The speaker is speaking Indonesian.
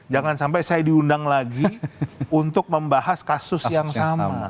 jangan sampai saya diundang lagi untuk membahas kasus yang sama